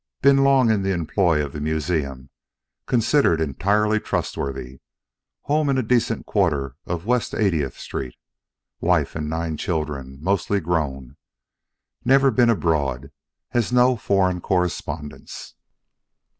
Been long in the employ of museum. Considered entirely trustworthy. Home in decent quarter of West 80th Street. Wife and nine children, mostly grown. Never been abroad. Has no foreign correspondence.